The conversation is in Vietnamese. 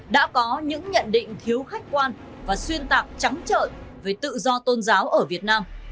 hai nghìn hai mươi hai đã có những nhận định thiếu khách quan và xuyên tạc trắng trợi về tự do tôn giáo ở việt nam